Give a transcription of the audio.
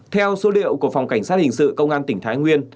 theo số liệu của phòng cảnh sát hình sự công an tỉnh thái nguyên